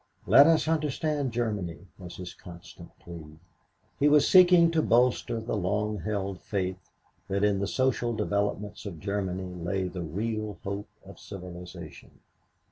Let us understand Germany, was his constant plea. He was seeking to bolster the long held faith that in the social developments of Germany lay the real hope of civilization.